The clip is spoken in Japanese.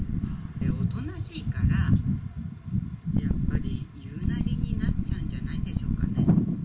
おとなしいから、やっぱり言いなりになっちゃうんじゃないでしょうかね。